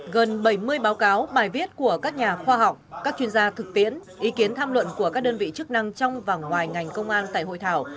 gần bảy mươi báo cáo bài viết của các nhà khoa học các chuyên gia thực tiễn ý kiến tham luận của các đơn vị chức năng trong và ngoài ngành công an tại hội thảo